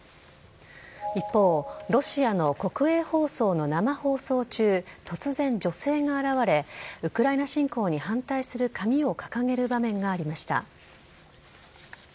一方、ロシアの国営放送の生放送中、突然、女性が現れ、ウクライナ侵攻に反対する紙を掲げる場面がありました。